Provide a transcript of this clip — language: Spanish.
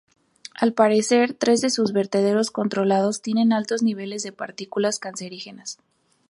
Al parecer tres de sus vertederos controlados tienen altos niveles de partículas cancerígenas.